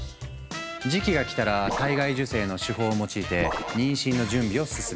時期が来たら体外受精の手法を用いて妊娠の準備を進めていく。